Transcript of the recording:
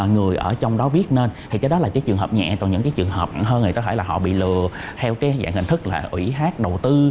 người ở trong đó viết nên thì cái đó là cái trường hợp nhẹ còn những cái trường hợp hơn thì có thể là họ bị lừa theo cái dạng hình thức là ủy hát đầu tư